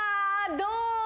どう。